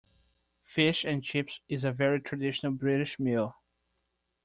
Fish and chips is a very traditional British meal